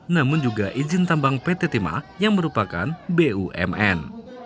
namun juga izin tambang pt tema yang merupakan bumn